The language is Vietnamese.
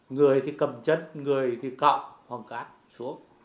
người thì cầm chân người thì cọng hoàng cát xuống